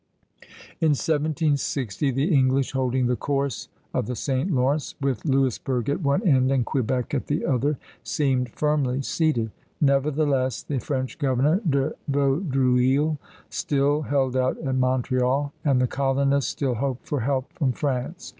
In 1760, the English, holding the course of the St. Lawrence, with Louisburg at one end and Quebec at the other, seemed firmly seated. Nevertheless, the French governor, De Vaudreuil, still held out at Montreal, and the colonists still hoped for help from France.